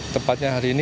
tepatnya hari ini